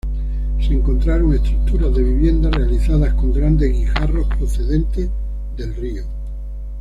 Se encontraron estructuras de viviendas realizadas con grandes guijarros procedentes del río.